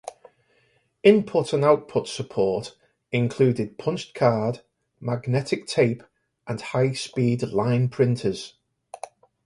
Input and output support included punched card, magnetic tape, and high speed line printers.